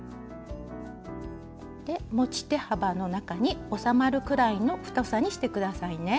で持ち手幅の中に収まるくらいの太さにして下さいね。